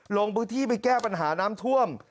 ลงพื้นที่ไปแก้ปัญหาน้ำท่วม